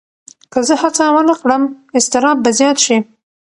که زه هڅه ونه کړم، اضطراب به زیات شي.